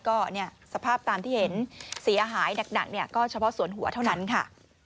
ก็เนี่ยสภาพตามที่เห็นเสียหายหนักก็เฉพาะส่วนหัวเท่านั้นค่ะ